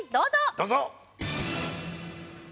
・どうぞ！